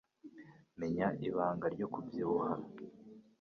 Menya ibanga ryo kubyibuha